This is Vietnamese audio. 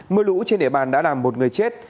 mưa lũ trên địa bàn đã làm một người chết